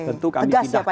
tentu kami pindahkan